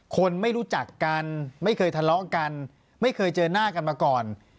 คนไม่รู้จักกันไม่เคยทะเลาะกันไม่เคยเจอหน้ากันมาก่อน